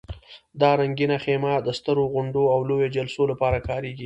دا رنګینه خیمه د سترو غونډو او لویو جلسو لپاره کارېږي.